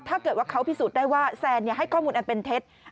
ถ้าเกิดว่าเขาพิสูจน์ได้ว่าแซนให้ข้อมูลอันเป็นเท็จ